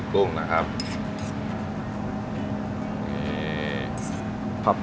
โพปด้วยนิดหนึ่งด้วยพลาซิวิทย์